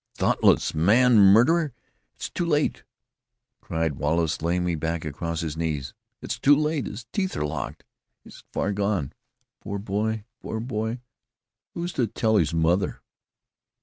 "Thoughtless man! Murderer! it's too late!" cried Wallace, laying me back across his knees. "It's too late. His teeth are locked. He's far gone. Poor boy! poor boy! Who's to tell his mother?"